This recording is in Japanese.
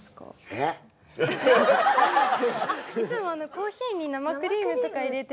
あっいつもコーヒーに生クリームとか入れてて。